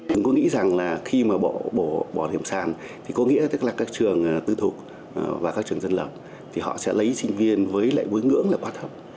tôi nghĩ rằng là khi mà bỏ hiểm sàn thì có nghĩa là các trường tư thuộc và các trường dân lập thì họ sẽ lấy sinh viên với lại với ngưỡng là quá thấp